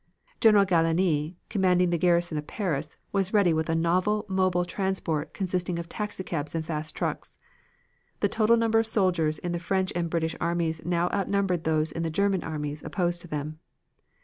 General Gallieni commanding the garrison of Paris, was ready with a novel mobile transport consisting of taxicabs and fast trucks. The total number of soldiers in the French and British armies now outnumbered those in the German armies opposed to them.